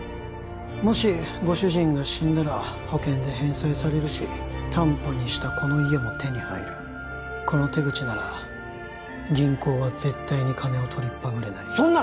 もしご主人が死んだら保険で返済されるし担保にしたこの家も手に入るこの手口なら銀行は絶対に金をとりっぱぐれないそんな！